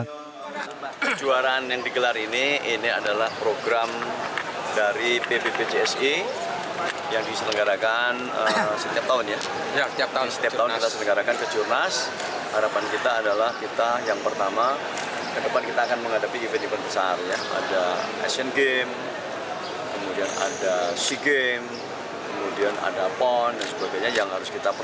kemudian ada pon dan sebagainya yang harus kita persiapkan dari jauh jauh sebelumnya